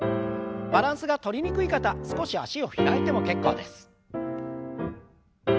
バランスがとりにくい方少し脚を開いても結構です。